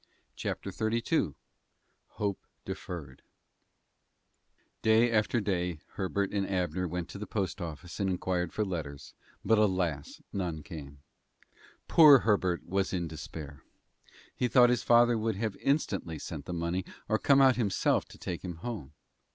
CHAPTER XXXII HOPE DEFERRED Day after day Herbert and Abner went to the post office and inquired for letters, but alas! none came. Poor Herbert was in despair. He thought his father would have instantly sent the money, or come out himself to take him home.